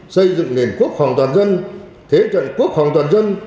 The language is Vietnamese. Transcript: xây dựng nền quốc hòng toàn dân thế trận quốc hòng toàn dân